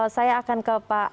saya akan ke pak